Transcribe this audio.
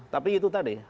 tapi itu tadi